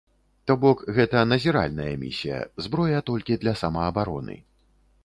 То бок гэта назіральная місія, зброя толькі для самаабароны.